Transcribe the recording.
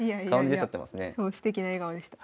すてきな笑顔でした。